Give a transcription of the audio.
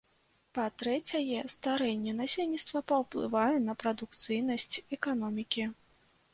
Па-трэцяе, старэнне насельніцтва паўплывае на прадукцыйнасць эканомікі.